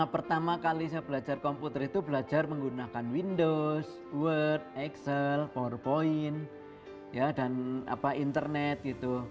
pertama kali saya belajar komputer itu belajar menggunakan windows word excel powerpoint dan internet gitu